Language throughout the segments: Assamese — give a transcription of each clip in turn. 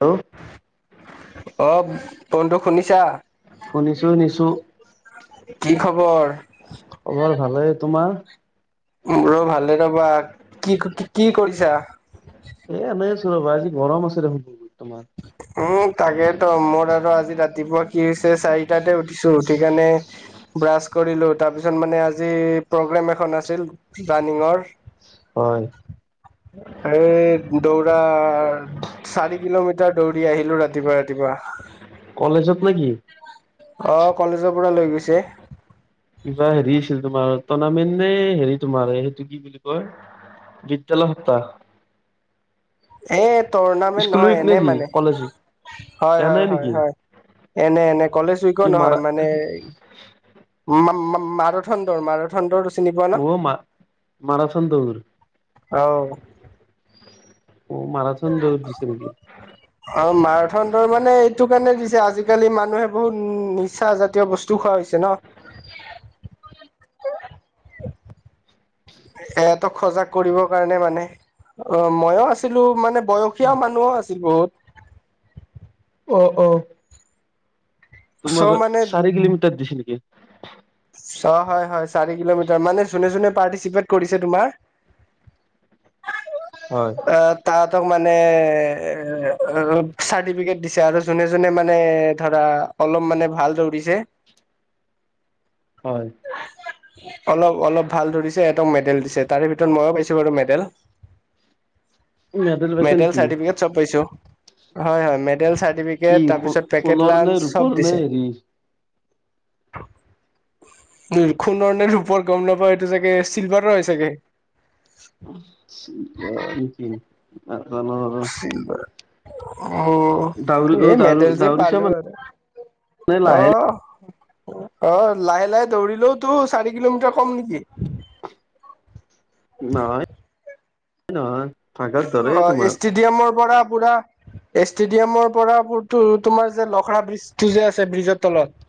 অ অ ফনটো শুনিছা। শুনিছো শুনিছো কি খবৰ? খবৰ ভালেই তোমাৰ মোৰো ভালে ৰবা কি কি কৰিছা। এ এনেই আছো ৰ'বা আজি গৰম আছেৰে হ'ব বৰ্তমান উম তাকেইেতো মোৰ দাদা আজি ৰাতিপুৱা কি হৈছে চাৰিটাতে উঠিছো উঠি কাৰণে ব্ৰাছ কৰিলো তাৰ পিছত মানে আজি প্ৰগ্ৰেম এখন আছিল ৰাণিঙৰ- হয়। এই দৌৰা চাৰি কিলোমিটৰ ছিদা দৌৰি আহিলো ৰাতিপুৱা ৰাতিপুৱা। কলেজত নেকি? অ কলেজৰ পৰা লৈ গৈছে। কিবা হেৰি আছিল তোমাৰ টৰ্ণামেণ্ট নে হেৰি তোমাৰ সেইটো কি বুলি কয়। বিদ্যালয় সত্তাহ এ টুৰ্ণামেণ্ট স্কুল উইক নহয় নে এনে কি মানে কলেজ উইক হয় এয়া নাই হয় হয় নেকি হয়। এনে এনে কলেজ উইকো কি মাৰা নহয় মানে মা মা মা মাৰাথাণ দৌৰ মাৰাথান দৌৰ চিনি পোৱা ন অ মা মৰাথান দৌৰ। অ অ মাৰাথোন দৌৰ দিছে নকি? অ মাৰাথান মানে এইটো কাৰণে দিছে আজিকালি মানুহে বহুত নিচা জাতীয় বস্তু খোৱা হৈছে ন। সহতক সজাগ কৰিবৰ কাৰণে মানে। অ মইো আছিলো মানে বয়সীয়া মানুহোও আছিল বহুত অ অ চ' তোমাৰ মানে চাৰি কিলোমিটাৰ দিছে নেকি অ হয় হয় চাৰি কিলোমিটাৰ মানে যোনে যোনে পাৰ্টিচিপেট কৰিছে তোমাৰ হয় অ তাহাঁতক মানে চাৰ্টিফিকেট দিছে আৰু যোনে যোনে মানে ধৰা অলপ মানে ভাল দৌৰিছে হয় অলপ অলপ ভাল দৌৰিছে সেঁতক মেডেল দিছে তাৰে ভিতৰত মইয়ো পাইছো বাৰু মেডেল [inaudible] পাইছে মেডেল নেকি চাৰ্টিফিকেট চব পাইছো হয় হয় কি চাৰ্টিফিকেট তাৰপিছত পেকেট সোণৰ নে লাঞ্চ ৰূপৰ চব নে দিছে হেৰি সোণৰনে ৰূপৰ গম নাপাওঁ এইটো চাগে চিলভাৰ হয় চাগে চিলভাৰ নে কি নাজানো আৰু চিলভাৰ ডাউৰি উম অ এই ডাউৰি মেডেল যে ডাউৰিচা পালো আৰু মানে অ লাহে অ লাহে লাহে দৌৰিলেওতো চাৰি কিলোমিটাৰ কম নেকি নহয় নহয় ভাগাত ধৰে অ তোমাৰ ষ্টেডিয়ামৰ পৰা পুৰা ষ্টেডিয়ামৰ পৰা পোলতো তোমাৰ যে লখৰা ব্ৰিজটো যে আছে ব্ৰিজৰ তলত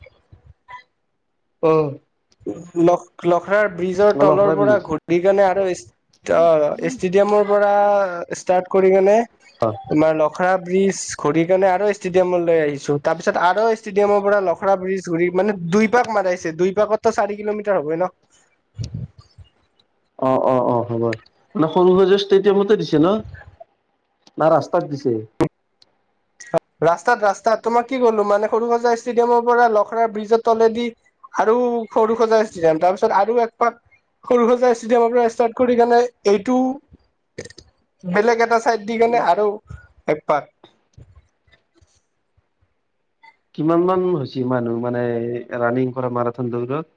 অ উম লখ লখৰাৰ ব্ৰিজৰ তলৰ লখৰা বিল পৰা ঘূৰি কেনে আৰু অ ষ্টেডিয়ামৰ পৰা ষ্টাৰ্ট কৰি কেনে অ তোমাৰ ল লখৰা ব্ৰীজ ঘূৰি কেনে আৰু ষ্টেডিয়ামলৈ আহিছো। তাৰপিছত আৰু ষ্টেডিয়ামৰ পৰা লখৰা ব্ৰীজ ঘূৰি মানে দুই পাক মাৰাইছে দুই পাকতো চাৰি কিলোমিটাৰ হবই ন অ অ অ হ'ব মানে সৰু সজাই ষ্টেডিয়ামতে দিছে ন না ৰাস্তাত দিছে ৰাস্তাত ৰাস্তাত তোমাক কি কলো মানে সৰু সজাই ষ্টেডিয়ামৰ পৰা লখৰাৰ ব্ৰিজৰ তলেদি আৰু সৰু সজাই ষ্টেডিয়াম তাৰপিছত আৰু একপাক সৰু সজাই ষ্টেডিয়ামৰ পৰা ষ্টাৰ্ট কৰি কেনে এইটো বেলেগ এটা চাইড দি কেনে আৰু একপাক [inaudible] কিমান মান হৈছে মানুহ মানে ৰাণিং কৰা মাৰথান দৌৰত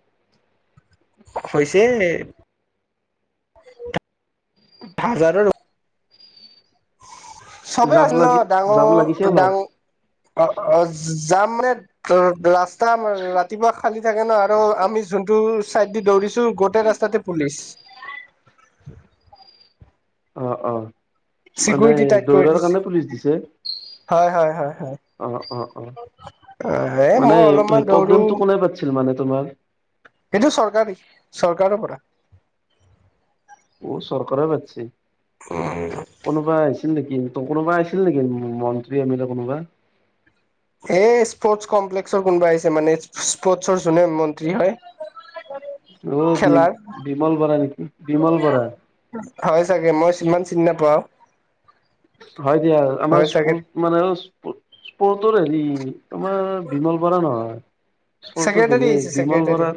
হ হৈছে হাজাৰত চবেই জাম আছিল ন লাগি জাম লাগিছে ডাঙৰ অলপ ডাং অ অ যাম মানে ৰ ৰা ৰাস্তাৰ ৰাতিপুৱা খালি থাকে ন আৰু আমি যোনটো চাইড দি দৌৰিছো তোৰ গোটেই ৰাস্তাতে পুলিচ অ অ মানে চিকিউৰিটি টাইট কৰি দৌৰাৰ দিছে কাৰণে পুলিচ দিছে হয় হয় হয় হয় অ অ অ এ মানে মই অলপমান সেই দৌৰো প্ৰগ্ৰেমটো কোনে পা পাতিছিল মানে তোমাৰ সেইটো চৰকাৰী চৰকাৰৰ পৰা অ চৰকাৰে পাতচে উম কোনোবা আহিছিল নেকি ত কোনোবা আছিল নেকি মন্ত্ৰী এম লে কোনোবা এ স্পৰ্টচ কমপ্লেক্সৰ কোনোবা আছে মানে স্পৰ্টচৰ যোনে মন্ত্ৰী হয় অ বি খেলাৰ বিমল বৰা নেকি বিমল বৰা হয় চাগে মই সিমান চিনি নাপাও হয় দিয়া হয় আমাৰ চাগে মানে স্পৰ্টৰ হেৰি তোমাৰ বিমল বৰা নহয় চোৰটো ছেক্ৰেটাৰী বেলেগ আহিছে বিমল ছেক্ৰেটাৰী বৰাৰ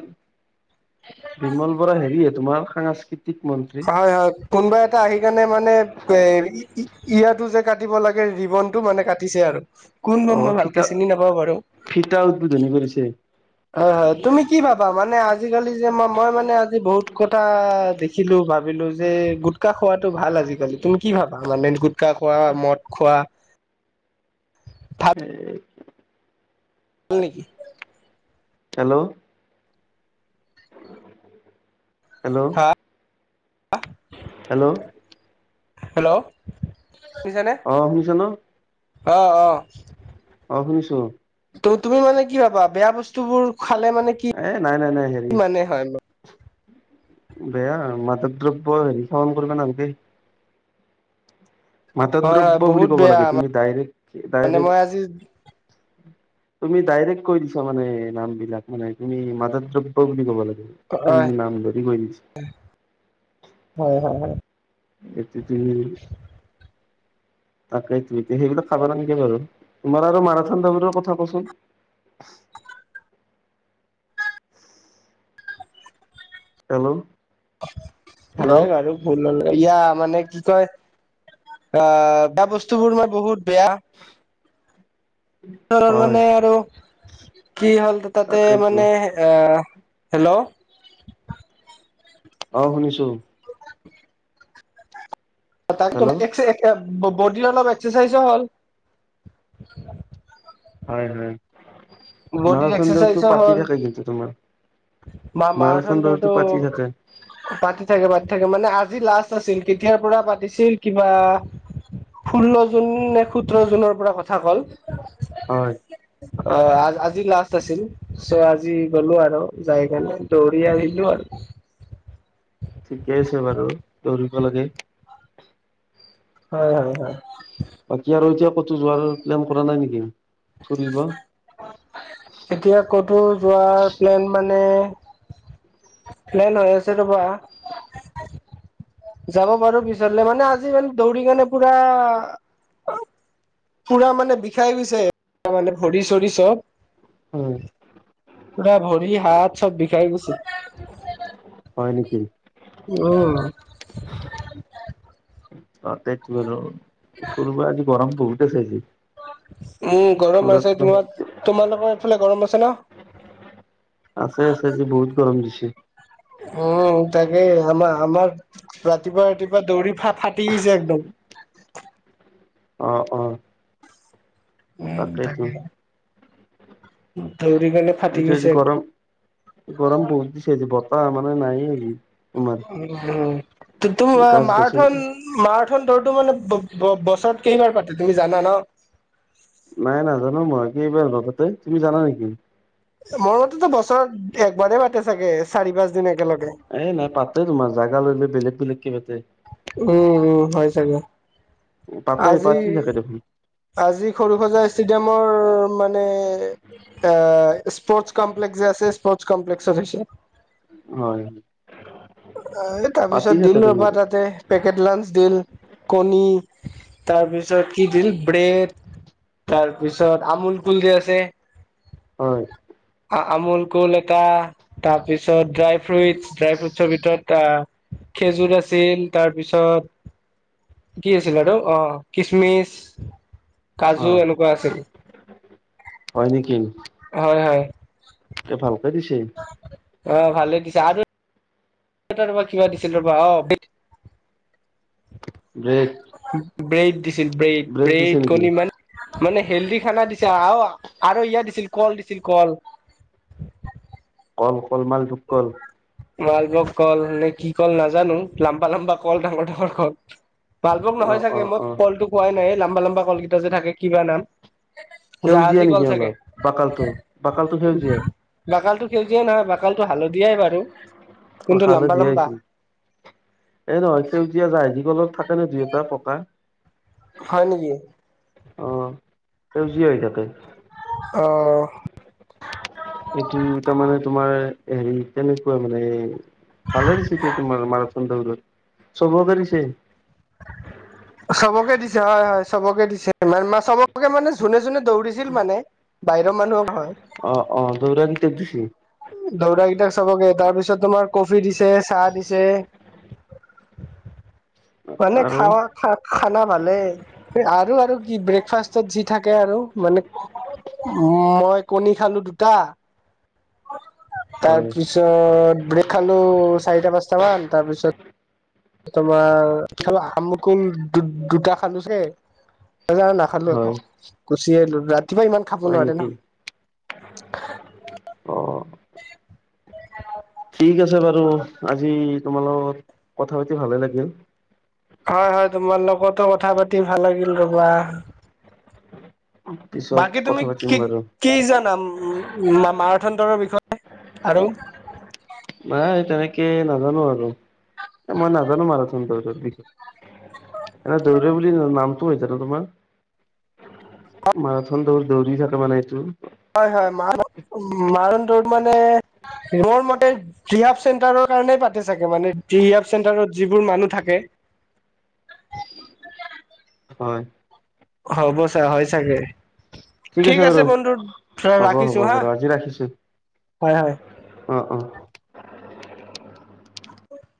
বিমল বৰা হেৰিয়ে তোমাৰ সাংস্কৃতিক মন্ত্ৰী হয় হয় কোনোবা এটা আহি কেণে মানে এ ইয়াতটো যে কাটিব লাগে ৰিবনটো মানে কাটিছে আৰু কোন অ হয় মই ভালকে ফিটা চিনি নাপাব পাৰো হয় ফিটা উদ্বোধনী কৰিছে হয় তুমি কি ভাবা মানে আজিকালি যে মই মানে আজি বহুত কথা দেখিলো ভাব ভাবিলো যে গুটকা খোৱাতটো ভাল আজিকালি তুমি কি ভাবা মানে গুটকা খোৱা মদ খোৱা ভাল এই নেকি হেল্ল' হেল্ল' হা হেল্ল' হেল্ল' শুনিছেনে অ শুনিছ ন অ অ অ শুনিছো ত তুমি মানে কি ভবা বেয়া বস্তুবোৰ খালে মানে কি এ নাই নাই নাই হেৰি কি মানে হয়? বেয়া মাদক দ্ৰব্য হেৰি শৱন কৰিব নালাগেই মাদ হয় দ্ৰব্য বুলি বহুত ক'ব বেয়া লাগে তুমি ডাইৰেক্ট মানে মই আজি ডাইৰেক্ট তুমি ডাইৰেক্ট কৈ দিছা মানে নাম বিলাক মানে তুমি মাদক দ্ৰব্য বুলি কব লাগে ই নাম ধৰি গ হয় হয় হয় এতিক তাকেই ত এতিয়া সেইবিলাক খাব নালাগে বাৰু তোমাৰ আৰু মাৰাথান দৰ বোৰৰ কথা কচোন হেল্ল' হেল্ল' হয় আৰু ইয়া মানে কি কয় অ বেয়া বস্তু বোৰ মই বহুত বেয়া চৰৰ হয় মানে আৰু কি হ'ল তাতে তাকেইতো মানে এ হেল্ল' অ শুনিছো [unintelligible] হেল্ল' [unintelligible] এক্স বডিৰ অলপ এক্সাৰচাইজো হ'ল! হয় হয় মাৰ বডিৰ চন্দ্ৰটো এক্সাৰচাইজো পাতি হ'ল থাকে কিন্তু তোমাৰ মা মাৰ মাৰাথন ছন্দ দলটো দৌৰটো পাতি থাকে পাতি থাকে পাতি থাকে মানে আজি লাষ্ট আছিল কেতিয়াৰ পৰা পাতিছিল কিবা ষোল্ল জুন নে সোতৰ জুনৰ পৰা কথা ক'ল হয় অ আ আজি লাষ্ট আছিল চ' আজি গলো আৰু যাই কেনে দৌৰি আহিলো আৰু ঠিকে আছে বাৰু দৌৰিব লাগে হয় হয় হয় বাকী আৰু এতিয়া ক'তো যোৱাৰ প্লেন কৰা নাই নেকি ঘূৰিব এতিয়া ক'তো যোৱাৰ প্লেন মানে প্লেন হৈ আছে ৰবা যাব পাৰো পিছৰলে মানে আজি মানে দৌৰি কাৰনে পুৰা আও পুৰা মানে বিষাই গৈছে, এ মানে ভৰি চৰি চব। উম। পুৰা ভৰি - হাত চব বিষাই গৈছে। হয় নিকি? উম। অ তেত বোলো, ফুৰিব আজি গৰম বহুতে চাই যে। উম গৰম আছে তোমাক, তোমালোকৰ এইফালে গৰম আছে ন? আছে আছে আজি বহুত গৰম দিছে। উম তাকেই আমাৰ আমাৰ ৰাতিপুৱা ৰাতিপুৱা দৌৰি ফা ফাটি গৈছে একদম। অ অ। উম তাকেইতো তাকে, দৌৰি কেনে ফাটি আজি- আজি গৈছে একদম গৰম, গৰম বহুত দিছে আজি বতাহ মানে নায়েই। উম' উম, টো- টোম মা গাছ গছনি মাৰথন মাৰথন দৌৰটো মানে ব- ব- বছৰত কেইবাৰ পাতে তুমি জানা ন? নাই নাজানো মই, কেইবাৰ গল তাতে, তুমি জানা নেকি? মোৰ মতেতো বছৰত একবাৰে পাতে চাগে, চাৰি-পাঁচ দিন একেলগে। এ', নাই পাতে তোমাৰ জাগা লৈ লৈ বেলেগ বেলেগকে পাতে। উম', উম', হ'য় চাগে, পাতে আজি পাতি সেই থাকে দেখোন আজি খৰুসজাই ষ্টেডিয়ামৰ মানে এ', স্পৰ্ট কম্প্লেক্স যে আছে স্পৰ্ট কম্প্লেক্সৰ হৈছে। হয়'। আ এ পাতি তাৰপিছত থাকে দিল তোমাৰ ৰবা তাতে। পেকেট লাঞ্চ দিল, কণী তাৰপিছত কি দিল ব্ৰেড তাৰ পিছত আমুল কুল যে আছে। হয়'। আ আমুল কুল এটা তাৰপিছত ড্ৰাই ফ্ৰুইটচ ড্ৰাই ফ্ৰুইট ছৰ ভিতৰত আহ খেজুৰ আছিল তাৰপিছত কি আছিল আৰু অ', কিচমিচ অ কাজু এনেকুৱা আছিল। হয়' নেকি? হয়', হয়',। এ', ভালকে দিছে। অ', ভালে দিছে আৰু তাত আৰু ৰবা কিবা দিছিল ৰবা অ', সে ব্ৰেড। ব্ৰেড দিছিল ব্ৰেড, দিছে ব্ৰেড নেকি কণী মান মানে হেল্ডি খানা দিছে আৰু - আৰু ইয়াত দিছিল কল দিছিল কল। কল- কল- মালভোগ কল। মালভোগ কল নে কি কল নাজানো, লাম্বা - লাম্বা কল ডাঙৰ ডাঙৰ কল। মালভোগ অ নহয় অ চাগে মই অ কলটো কোৱাই নাই এই লাম্বা - লাম্বা কলকেইটা যে থাকে কিবা নাম? সেউজীয়া জাহাজী কল নেকি চাগে অলপ বাকালটো- বাকালটো সেউজীয়া? বাকালটো সেউজীয়া নহয়, বাকালটো হালধিয়াই বাৰু। অ', কিন্তু লম্বা হালধীয়া লম্বা হৈছিল, এই নহয় সেউজীয়া জাহাজী কলও থাকে ন দুই এটা পকা। হয়' নেকি? অ সেউজীয়া হৈ থাকে অহ',। এইটো তামানে তোমাৰ হেৰি তেনেকুৱা মানে। ভালে দিছে এতিয়া তোমাৰ মাৰাথন দৌৰত চবকে দিছে। [inaudible] চবকে দিছে হয় হয়, চবকে দিছে চবকে মানে যোনে যোনে দৌৰিছিল মানে। বাহিৰৰ মানুহো হয়। অঁ' অঁ' দৌৰা কেইটাক দিছে। দৌৰা কেইটাক চাবকে, তাৰ পিছত তোমাৰ কফি দিছে, চাহ দিছে। [inaudible] মানে আৰু খাৱা খা খানা ভালে। আৰু আৰু কি ব্ৰেকফাষ্টত যি থাকে আৰু মানে মই- কণী খালো দুটা- হয় তাৰপিছত, ব্ৰেড খালো চাৰিটা-পাঁচটা মান তাৰ পিছত, - তোমাৰ কি খালো আমুকুল দু- দুটা খালোঁ চাগে। তাপিছত আও নাখালো একো হয় গুচি আহিলো, ৰাতিপুৱা ইমান খাব হয় নোৱাৰে নেকি ন। অ' [unintelligible] ঠিক আছে বাৰু আজি তোমাৰ লগত কথা পাতি ভালে লাগিল। হয় হয়, তোমাৰ লগতো কথা পাতি ভাল লাগিল ৰবা। পিছত বাকী তুমি কথা পাতিম কি বাৰু। কি জানা মাৰাঠান দৌৰৰ বিষয়ে আৰু? নাই তেনেকে নাজানো আৰু এ মই নাজানো মাৰাঠান দৌৰটো কি? এতিয়া দৌৰে বুলি নামটো হয়ছে ন তোমাৰ? মাৰাথোন দৌৰ দৌৰি থাকে মানে এইটো। হয় হয়, মাৰ মাৰথন দৌৰ মানে মোৰ মতে- ৰি আফ চেণ্টাৰৰ কাৰণে পাতে চাগে, মানে ৰি আফ চেণ্টাৰত যিবোৰ মানুহ থাকে। হয়। হ'ব ছাৰ হয় চাগে। ঠিক আছে বন্ধু ধ হ'ব ৰাখিছো হ'ব হাঁ, হয় হয়। অঁ অঁ' [unintelligible]